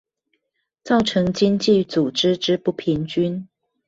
造成經濟組織之不平均